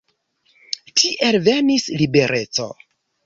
Tiel venis libereco.